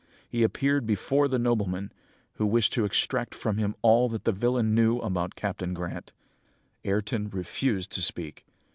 He appeared before the nobleman, who wished to extract from him all that the villain knew about Captain Grant. Ayrton refused to speak.